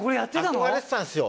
憧れてたんですよ。